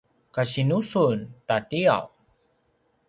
kasinu sun ta tiyaw?